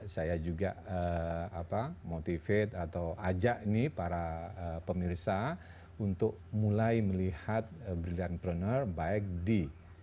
saya juga motivate atau ajak nih para pemirsa untuk mulai melihat brilliantpreneur baik di